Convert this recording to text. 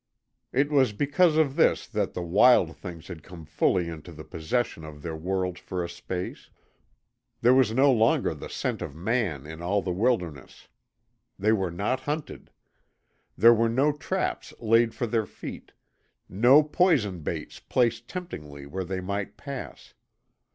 It was because of this that the wild things had come fully into the possession of their world for a space. There was no longer the scent of man in all the wilderness. They were not hunted. There were no traps laid for their feet, no poison baits placed temptingly where they might pass.